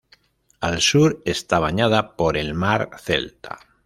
Al sur está bañado por el Mar Celta.